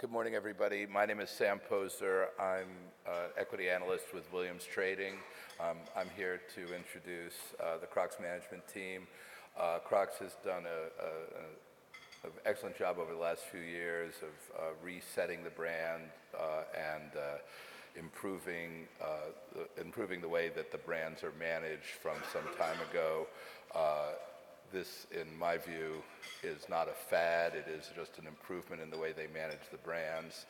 Good morning, everybody. My name is Sam Poser. I'm Equity Analyst with Williams Trading. I'm here to introduce the Crocs management team. Crocs has done a excellent job over the last few years of resetting the brand, and improving the way that the brands are managed from some time ago. This, in my view, is not a fad. It is just an improvement in the way they manage the brands.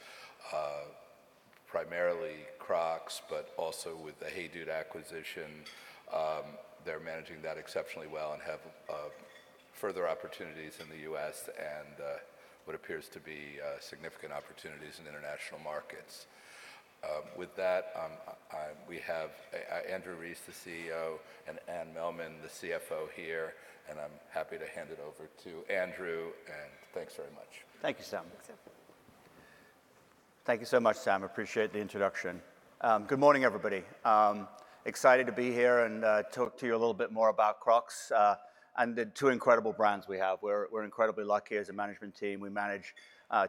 Primarily Crocs, but also with the HEYDUDE acquisition. They're managing that exceptionally well and have further opportunities in the U.S. and what appears to be significant opportunities in international markets. With that, I We have Andrew Rees, the CEO, and Anne Mehlman, the CFO here, and I'm happy to hand it over to Andrew, and thanks very much. Thank you, Sam. Thanks, Sam. Thank you so much, Sam. Appreciate the introduction. Good morning, everybody. Excited to be here and talk to you a little bit more about Crocs and the two incredible brands we have. We're incredibly lucky as a management team. We manage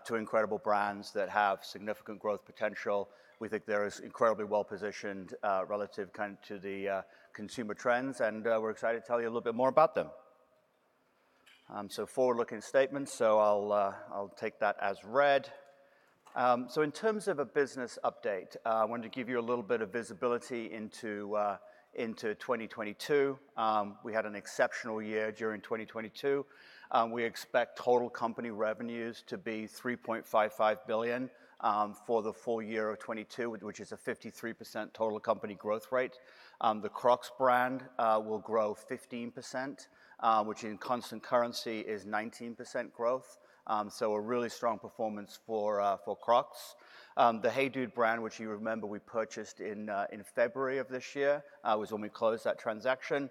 two incredible brands that have significant growth potential. We think they're as incredibly well-positioned relative to the consumer trends, and we're excited to tell you a little bit more about them. Forward-looking statements. I'll take that as read. In terms of a business update, wanted to give you a little bit of visibility into 2022. We had an exceptional year during 2022. We expect total company revenues to be $3.55 billion for the full year of 2022, which is a 53% total company growth rate. The Crocs brand will grow 15%, which in constant currency is 19% growth. A really strong performance for Crocs. The HEYDUDE brand, which you remember we purchased in February of this year, was when we closed that transaction,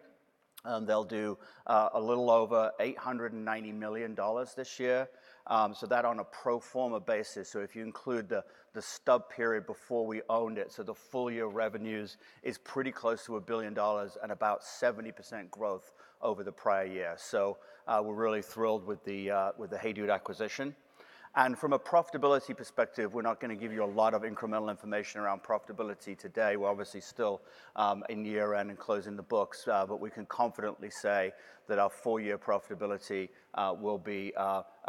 they'll do a little over $890 million this year. That on a pro forma basis. If you include the stub period before we owned it. The full-year revenues is pretty close to $1 billion and about 70% growth over the prior year. We're really thrilled with the HEYDUDE acquisition. From a profitability perspective, we're not gonna give you a lot of incremental information around profitability today. We're obviously still, in year-end and closing the books, but we can confidently say that our full-year profitability, will be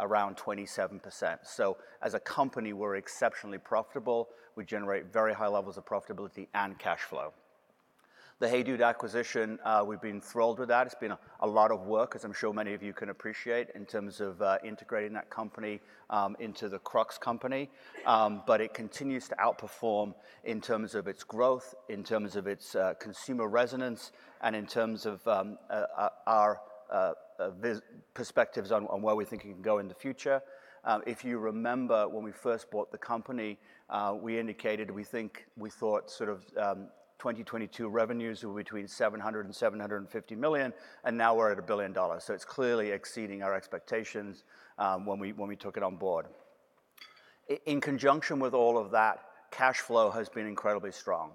around 27%. As a company, we're exceptionally profitable. We generate very high levels of profitability and cash flow. The HEYDUDE acquisition, we've been thrilled with that. It's been a lot of work, as I'm sure many of you can appreciate, in terms of integrating that company into the Crocs company. It continues to outperform in terms of its growth, in terms of its consumer resonance, and in terms of our perspectives on where we think it can go in the future. If you remember, when we first bought the company, we thought 2022 revenues were between $700 million and $750 million, and now we're at $1 billion. It's clearly exceeding our expectations, when we took it on board. In conjunction with all of that, cash flow has been incredibly strong.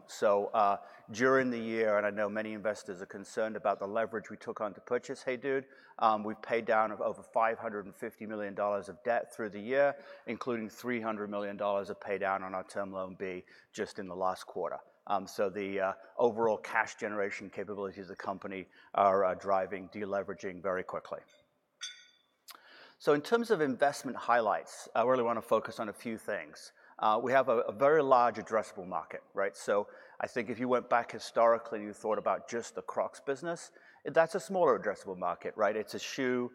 During the year, and I know many investors are concerned about the leverage we took on to purchase HEYDUDE, we've paid down of over $550 million of debt through the year, including $300 million of paydown on our Term Loan B just in the last quarter. The overall cash generation capabilities of the company are driving de-leveraging very quickly. In terms of investment highlights, I really wanna focus on a few things. We have a very large addressable market, right? I think if you went back historically and you thought about just the Crocs business, that's a smaller addressable market, right? It's a shoe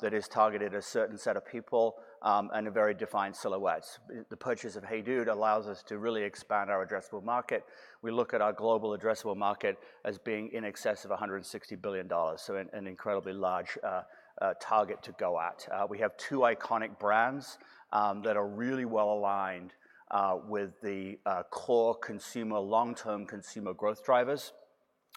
that is targeted at a certain set of people and a very defined silhouettes. The purchase of HEYDUDE allows us to really expand our addressable market. We look at our global addressable market as being in excess of $160 billion, an incredibly large target to go at. We have two iconic brands that are really well-aligned with the core consumer, long-term consumer growth drivers,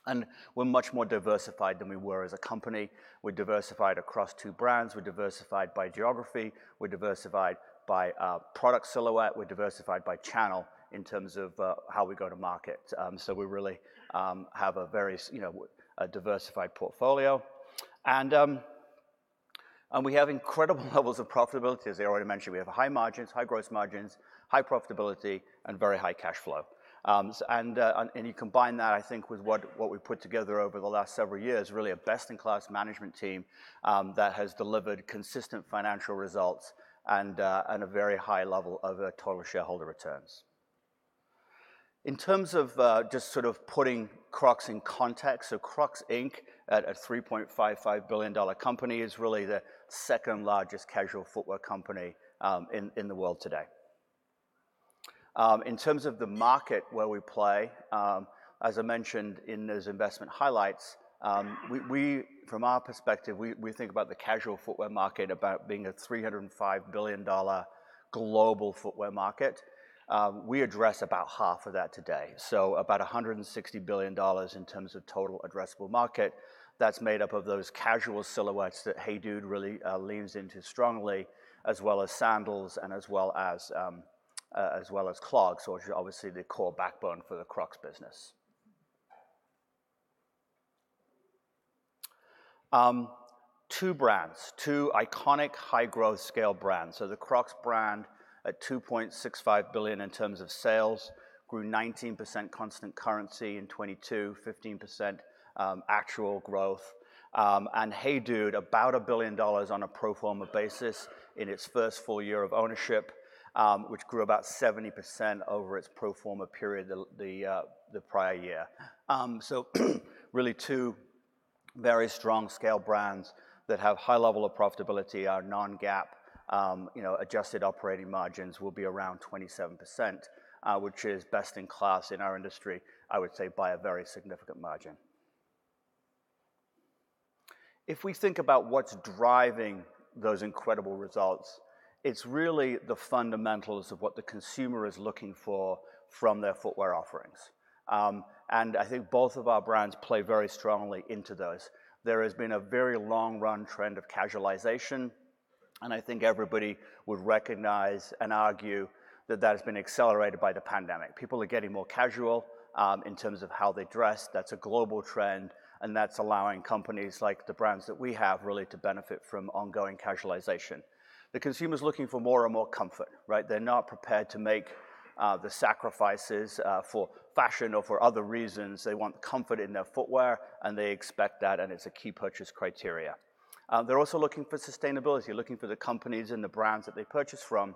and we're much more diversified than we were as a company. We're diversified across two brands. We're diversified by geography. We're diversified by product silhouette. We're diversified by channel in terms of how we go to market. We really have a various, you know, a diversified portfolio. We have incredible levels of profitability. As I already mentioned, we have high margins, high gross margins, high profitability, and very high cash flow. And you combine that, I think, with what we put together over the last several years, really a best-in-class management team that has delivered consistent financial results and a very high level of total shareholder returns. In terms of just sort of putting Crocs in context, Crocs, Inc., at a $3.55 billion company, is really the second-largest casual footwear company in the world today. In terms of the market where we play, as I mentioned in those investment highlights, from our perspective, we think about the casual footwear market being a $305 billion global footwear market. We address about half of that today, so about $160 billion in terms of total addressable market. That's made up of those casual silhouettes that HEYDUDE really leans into strongly, as well as sandals and as well as clogs, which are obviously the core backbone for the Crocs business. Two brands. Two iconic high growth scale brands. The Crocs brand at $2.65 billion in terms of sales, grew 19% constant currency in 2022, 15% actual growth. HEYDUDE, about $1 billion on a pro forma basis in its first full year of ownership, which grew about 70% over its pro forma period the prior year. Really two very strong scale brands that have high level of profitability. Our non-GAAP, you know, adjusted operating margins will be around 27%, which is best in class in our industry, I would say, by a very significant margin. If we think about what's driving those incredible results, it's really the fundamentals of what the consumer is looking for from their footwear offerings. I think both of our brands play very strongly into those. There has been a very long-run trend of casualization, and I think everybody would recognize and argue that that has been accelerated by the pandemic. People are getting more casual in terms of how they dress. That's a global trend, and that's allowing companies like the brands that we have really to benefit from ongoing casualization. The consumer's looking for more and more comfort, right? They're not prepared to make the sacrifices for fashion or for other reasons. They want comfort in their footwear, and they expect that, and it's a key purchase criteria. They're also looking for sustainability. They're looking for the companies and the brands that they purchase from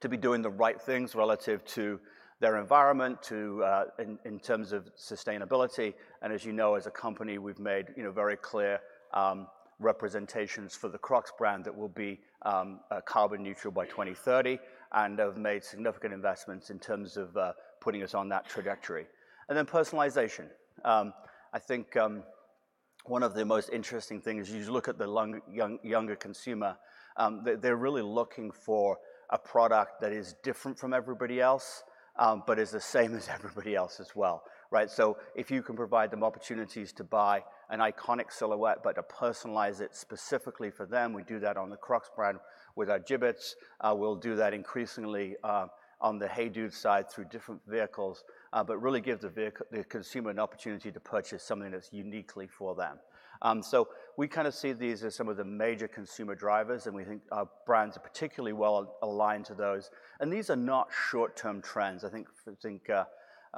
to be doing the right things relative to their environment, to in terms of sustainability. As you know, as a company, we've made, you know, very clear representations for the Crocs brand that we'll be carbon neutral by 2030 and have made significant investments in terms of putting us on that trajectory. personalization. I think, one of the most interesting things, you just look at the younger consumer, they're really looking for a product that is different from everybody else, but is the same as everybody else as well, right? If you can provide them opportunities to buy an iconic silhouette but to personalize it specifically for them, we do that on the Crocs brand with our Jibbitz. We'll do that increasingly on the HEYDUDE side through different vehicles. Really allow the consumer to purchase something that's uniquely for them. We kinda see these as some of the major consumer drivers, and we think our brands are particularly well aligned to those. These are not short-term trends. I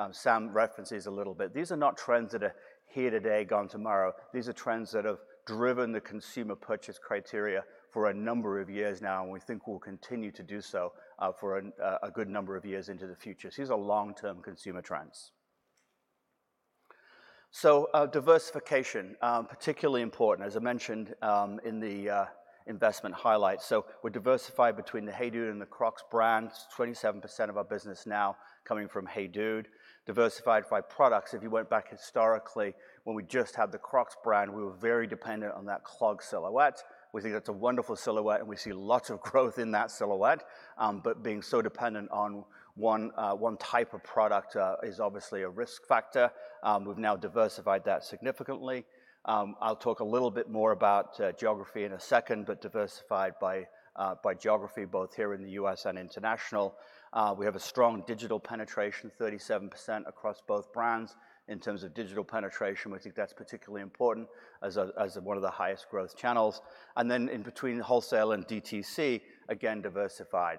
think, Sam referenced these a little bit. These are not trends that are here today, gone tomorrow. These are trends that have driven the consumer purchase criteria for a number of years now, and we think will continue to do so for a good number of years into the future. These are long-term consumer trends. Diversification, particularly important, as I mentioned in the investment highlights. We're diversified between the HEYDUDE and the Crocs brands. 27% of our business now coming from HEYDUDE. Diversified by products. If you went back historically when we just had the Crocs brand, we were very dependent on that clog silhouette. We think that's a wonderful silhouette, and we see lots of growth in that silhouette. But being so dependent on one type of product is obviously a risk factor. We've now diversified that significantly. I'll talk a little bit more about geography in a second, but diversified by geography, both here in the U.S. and international. We have a strong digital penetration, 37% across both brands in terms of digital penetration. We think that's particularly important as one of the highest growth channels. Then in between wholesale and DTC, again, diversified.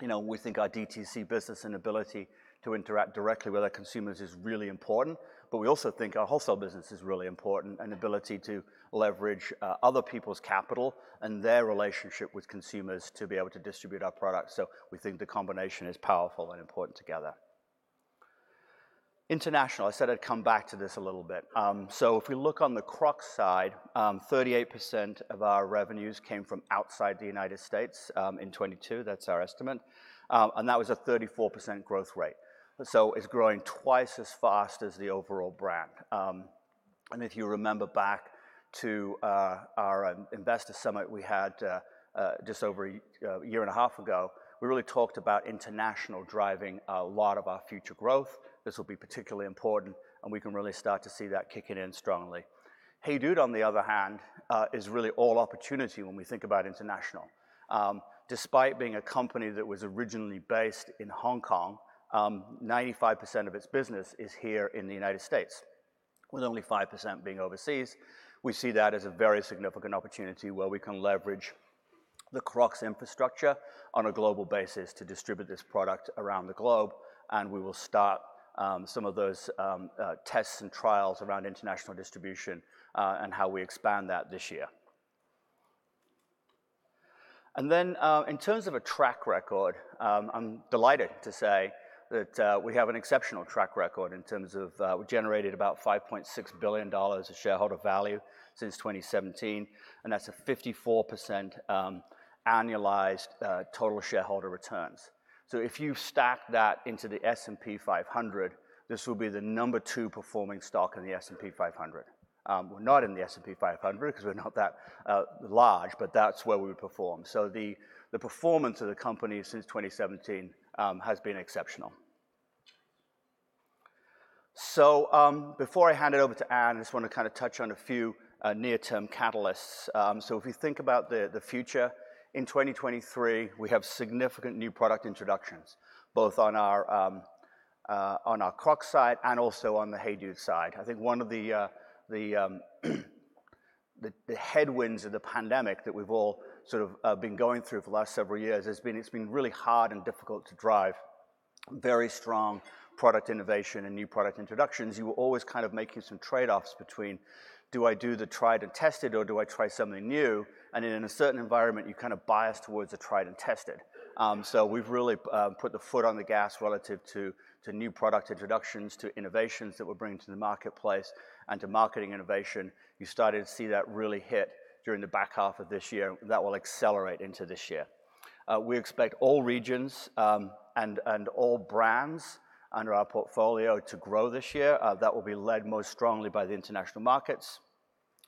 You know, we think our DTC business and ability to interact directly with our consumers is really important, but we also think our wholesale business is really important, and ability to leverage other people's capital and their relationship with consumers to be able to distribute our products. We think the combination is powerful and important together. International. I said I'd come back to this a little bit. If we look on the Crocs side, 38% of our revenues came from outside the United States in 2022. That's our estimate. That was a 34% growth rate. It's growing twice as fast as the overall brand. If you remember back to our investor summit we had just over 1.5 years ago, we really talked about international driving a lot of our future growth. This will be particularly important, and we can really start to see that kicking in strongly. HEYDUDE, on the other hand, is really all opportunity when we think about international. Despite being a company that was originally based in Hong Kong, 95% of its business is here in the United States, with only 5% being overseas. We see that as a very significant opportunity where we can leverage the Crocs infrastructure on a global basis to distribute this product around the globe, and we will start some of those tests and trials around international distribution and how we expand that this year. In terms of a track record, I'm delighted to say that we have an exceptional track record in terms of we generated about $5.6 billion of shareholder value since 2017, and that's a 54% annualized total shareholder returns. If you stack that into the S&P 500, this will be the number two performing stock in the S&P 500. We're not in the S&P 500 because we're not that large, but that's where we would perform. The performance of the company since 2017 has been exceptional. Before I hand it over to Anne, I just wanna kinda touch on a few near-term catalysts. If you think about the future, in 2023, we have significant new product introductions, both on our Crocs side and also on the HEYDUDE side. I think one of the headwinds of the pandemic that we've all sort of been going through for the last several years has been. It's been really hard and difficult to drive very strong product innovation and new product introductions. You were always kind of making some trade-offs between do I do the tried and tested or do I try something new? In a certain environment, you're kind of biased towards the tried and tested. We've really put the foot on the gas relative to new product introductions, to innovations that we're bringing to the marketplace and to marketing innovation. You started to see that really hit during the back half of this year, that will accelerate into this year. We expect all regions and all brands under our portfolio to grow this year. That will be led most strongly by the international markets.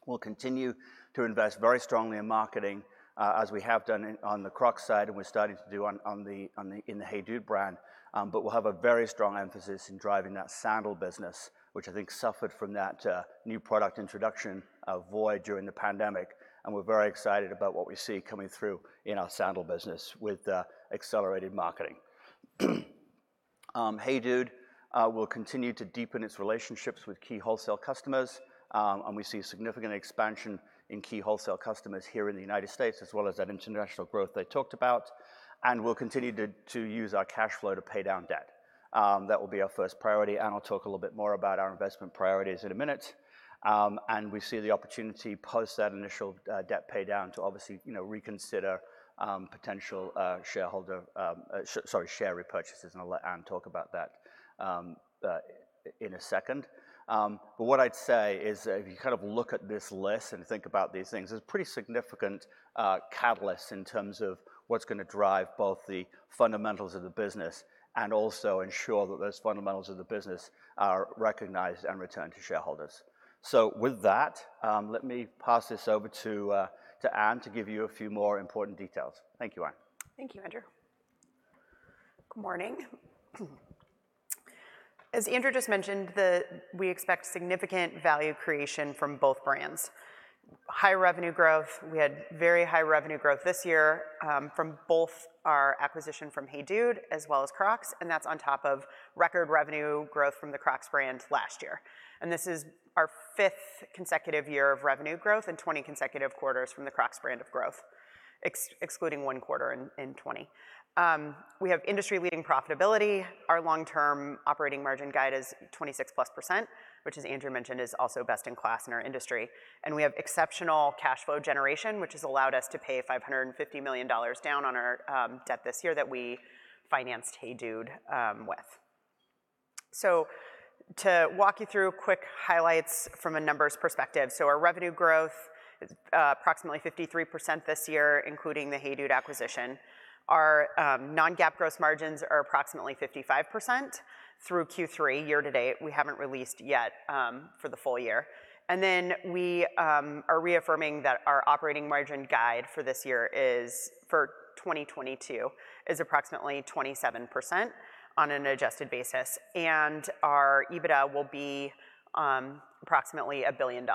We'll continue to invest very strongly in marketing, as we have done on the Crocs side, and we're starting to do in the HEYDUDE brand. We'll have a very strong emphasis in driving that sandal business, which I think suffered from that new product introduction void during the pandemic, and we're very excited about what we see coming through in our sandal business with accelerated marketing. HEYDUDE will continue to deepen its relationships with key wholesale customers. We see a significant expansion in key wholesale customers here in the United States as well as that international growth I talked about, and we'll continue to use our cash flow to pay down debt. That will be our first priority, and I'll talk a little bit more about our investment priorities in a minute. We see the opportunity post that initial debt pay down to obviously, you know, reconsider potential shareholder share repurchases, and I'll let Anne talk about that in a second. What I'd say is if you kind of look at this list and think about these things, there's pretty significant catalysts in terms of what's gonna drive both the fundamentals of the business and also ensure that those fundamentals of the business are recognized and returned to shareholders. With that, let me pass this over to Anne to give you a few more important details. Thank you, Anne. Thank you, Andrew. Good morning. As Andrew just mentioned, we expect significant value creation from both brands. High revenue growth. We had very high revenue growth this year from both our acquisition from HEYDUDE as well as Crocs, and that's on top of record revenue growth from the Crocs brand last year. This is our fifth consecutive year of revenue growth and 20 consecutive quarters from the Crocs brand of growth, excluding one quarter in 20. We have industry-leading profitability. Our long-term operating margin guide is 26+%, which as Andrew mentioned, is also best in class in our industry. We have exceptional cash flow generation, which has allowed us to pay $550 million down on our debt this year that we financed HEYDUDE with. To walk you through quick highlights from a numbers perspective. Our revenue growth is approximately 53% this year, including the HEYDUDE acquisition. Our non-GAAP gross margins are approximately 55% through Q3 year to date. We haven't released yet for the full year. We are reaffirming that our operating margin guide for this year is, for 2022, is approximately 27% on an adjusted basis, and our EBITDA will be approximately $1 billion.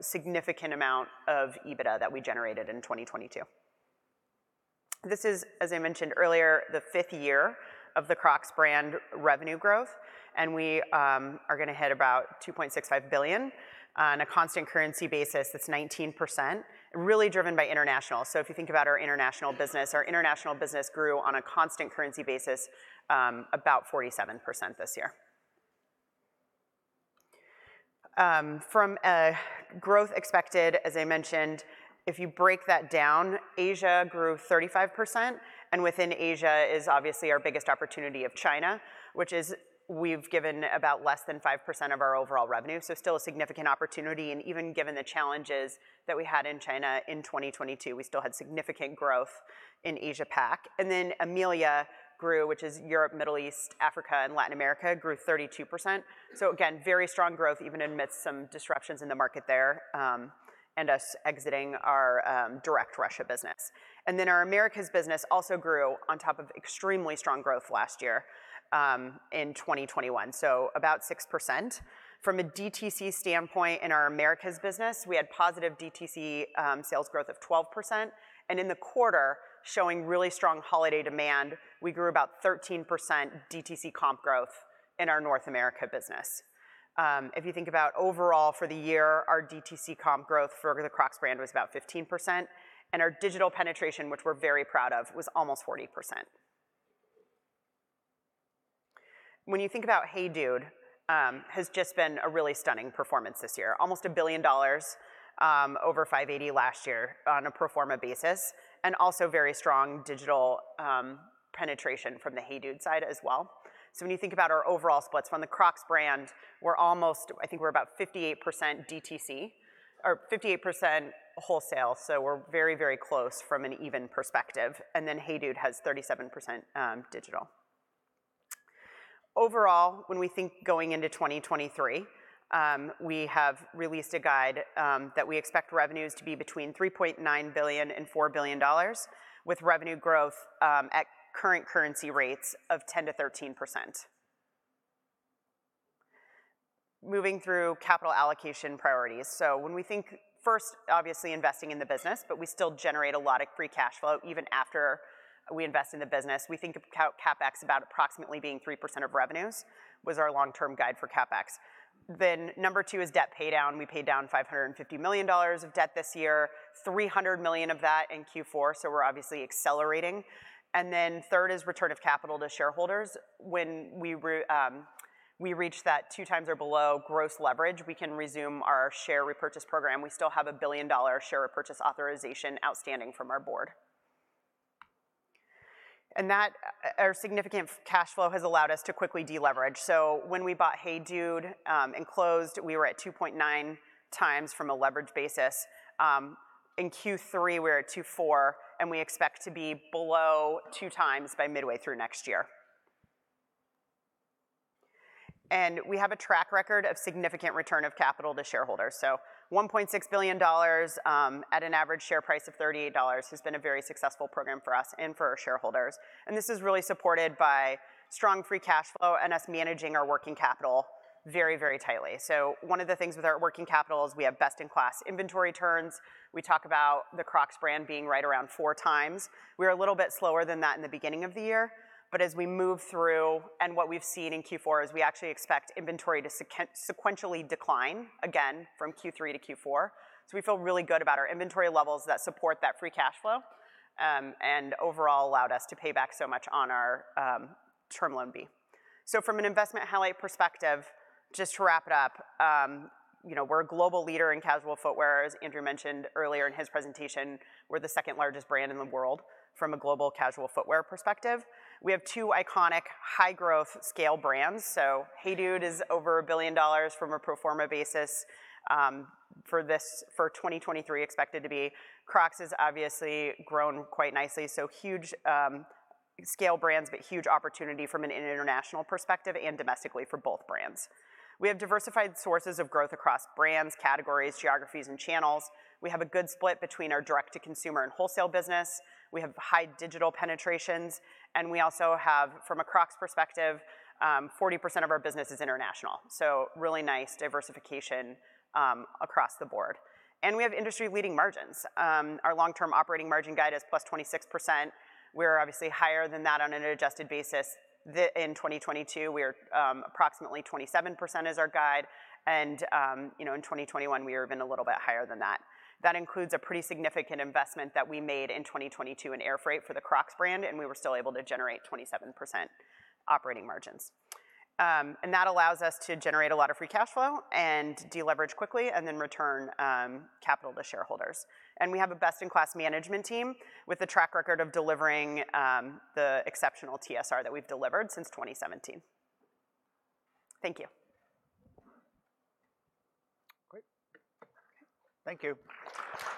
Significant amount of EBITDA that we generated in 2022. This is, as I mentioned earlier, the fifth year of the Crocs brand revenue growth, we are gonna hit about $2.65 billion. On a constant currency basis, it's 19%, really driven by international. If you think about our international business, our international business grew on a constant currency basis, about 47% this year. A growth expected, as I mentioned, if you break that down, Asia grew 35%, and within Asia is obviously our biggest opportunity of China, which is we've given about less than 5% of our overall revenue. Still a significant opportunity. Even given the challenges that we had in China in 2022, we still had significant growth in Asia-Pac. EMEA grew, which is Europe, Middle East, Africa, and Latin America, grew 32%. Again, very strong growth even amidst some disruptions in the market there, and us exiting our direct Russia business. Our Americas business also grew on top of extremely strong growth last year, in 2021, so about 6%. From a DTC standpoint in our Americas business, we had positive DTC sales growth of 12%. In the quarter, showing really strong holiday demand, we grew about 13% DTC comp growth in our North America business. If you think about overall for the year, our DTC comp growth for the Crocs brand was about 15%, and our digital penetration, which we're very proud of, was almost 40%. When you think about HEYDUDE, has just been a really stunning performance this year. Almost $1 billion, over $580 million last year on a pro forma basis, and also very strong digital penetration from the HEYDUDE side as well. When you think about our overall splits from the Crocs brand, I think we're about 58% DTC or 58% wholesale, so we're very, very close from an even perspective, and then HEYDUDE has 37% digital. Overall, when we think going into 2023, we have released a guide that we expect revenues to be between $3.9 billion and $4 billion with revenue growth at current currency rates of 10%-13%. Moving through capital allocation priorities. When we think first, obviously investing in the business, but we still generate a lot of free cash flow even after we invest in the business. We think of CapEx about approximately being 3% of revenues, was our long-term guide for CapEx. Number two is debt pay down. We paid down $550 million of debt this year, $300 million of that in Q4, so we're obviously accelerating. Third is return of capital to shareholders. When we reach that two times or below gross leverage, we can resume our share repurchase program. We still have a $1 billion-dollar share repurchase authorization outstanding from our board. Our significant cash flow has allowed us to quickly deleverage. When we bought HEYDUDE and closed, we were at 2.9 times from a leverage basis. In Q3, we were at 2.4, and we expect to be below two times by midway through next year. We have a track record of significant return of capital to shareholders. One point six billion dollars at an average share price of $38 has been a very successful program for us and for our shareholders. This is really supported by strong free cash flow and us managing our working capital very tightly. One of the things with our working capital is we have best-in-class inventory turns. We talk about the Crocs brand being right around four times. We were a little bit slower than that in the beginning of the year, but as we move through, and what we've seen in Q4, is we actually expect inventory to sequentially decline again from Q3 to Q4. We feel really good about our inventory levels that support that free cash flow, and overall allowed us to pay back so much on our Term Loan B. From an investment highlight perspective, just to wrap it up, you know, we're a global leader in casual footwear. As Andrew mentioned earlier in his presentation, we're the second-largest brand in the world from a global casual footwear perspective. We have two iconic high-growth scale brands. HEYDUDE is over $1 billion from a pro forma basis for 2023 expected to be. Crocs has obviously grown quite nicely, so huge scale brands, but huge opportunity from an international perspective and domestically for both brands. We have diversified sources of growth across brands, categories, geographies, and channels. We have a good split between our direct-to-consumer and wholesale business. We have high digital penetrations, we also have, from a Crocs perspective, 40% of our business is international, so really nice diversification across the board. We have industry-leading margins. Our long-term operating margin guide is plus 26%. We're obviously higher than that on an adjusted basis. In 2022, we are approximately 27% is our guide and, you know, in 2021 we were even a little bit higher than that. That includes a pretty significant investment that we made in 2022 in air freight for the Crocs brand, and we were still able to generate 27% operating margins. That allows us to generate a lot of free cash flow and deleverage quickly and then return capital to shareholders. We have a best-in-class management team with a track record of delivering the exceptional TSR that we've delivered since 2017. Thank you. Great. Okay. Thank you.